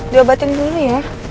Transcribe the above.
diobatin dulu ya